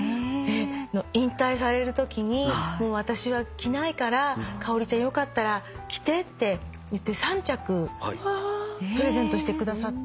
引退されるときに「私は着ないからかおりちゃんよかったら着て」って言って３着プレゼントしてくださって。